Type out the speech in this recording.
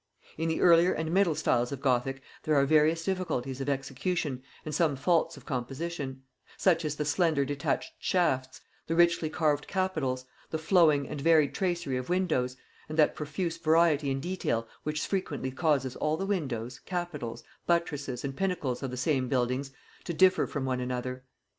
In the earlier and middle styles of Gothic there are various difficulties of execution and some faults of composition: such as the slender detached shafts, the richly carved capitals, the flowing and varied tracery of windows, and that profuse variety in detail which frequently causes all the windows, capitals, buttresses and pinnacles of the same buildings to differ from one another.